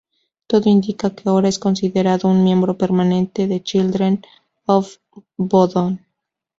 Todo indica que ahora es considerado un miembro permanente de Children of Bodom.